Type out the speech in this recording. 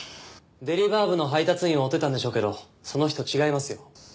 デリバー部の配達員を追ってたんでしょうけどその人違いますよ。